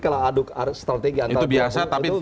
kalau aduk strategi antara itu biasa tapi